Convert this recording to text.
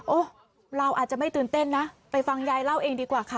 เราอาจจะไม่ตื่นเต้นนะไปฟังยายเล่าเองดีกว่าค่ะ